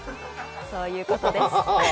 そういうことです。